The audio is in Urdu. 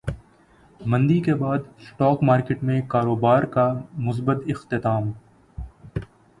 مندی کے بعد اسٹاک مارکیٹ میں کاروبار کا مثبت اختتام